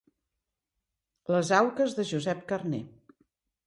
Les auques de Josep Carner.